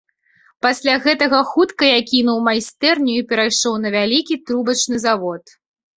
Пасля гэтага хутка я кінуў майстэрню і перайшоў на вялікі трубачны завод.